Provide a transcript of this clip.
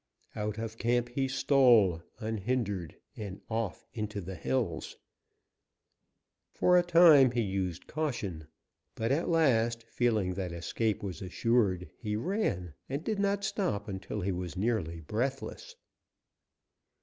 Out of camp he stole, unhindered, and off into the hills. For a time he used caution, but, at last, feeling that escape was assured, he ran, and did not stop until he was nearly breathless.